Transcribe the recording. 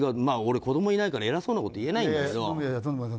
まあ俺、子供いないから偉そうなこと言えないんだけど。